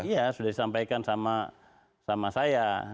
iya sudah disampaikan sama saya